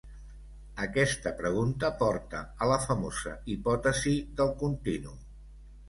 Aquesta pregunta porta a la famosa hipòtesis del continu.